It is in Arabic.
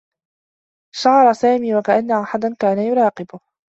شعر سامي و كأنّ أحدا كان يراقبه.